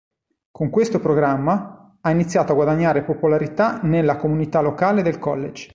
Con questo programma, ha iniziato a guadagnare popolarità nella comunità locale del college.